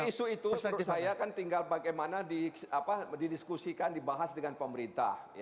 isu itu menurut saya kan tinggal bagaimana didiskusikan dibahas dengan pemerintah